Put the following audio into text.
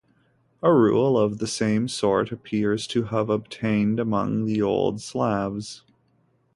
A rule of the same sort appears to have obtained among the old Slavs.